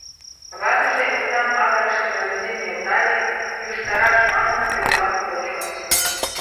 Ватыже окнам авырыше жалюзим нӧлтале, южтараш манын, тӧрзам почо.